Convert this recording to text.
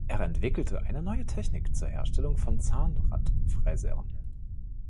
Er entwickelte eine neue Technik zur Herstellung von Zahnradfräsern.